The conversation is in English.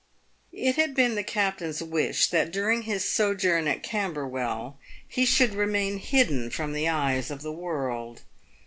It had been the captain's wish that, during his sojourn at Cam berwell, he should remain hidden from the eyes of the world.